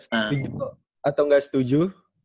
setuju atau gak setuju